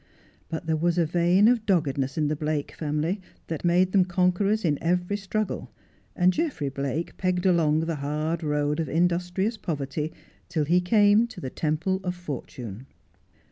But there was a vein of dogged ness in the Blake family that made them conquerors in every struggle, and Geoffrey Blake pegged along the hard road of industrious poverty till he came to the Temple of Fortune.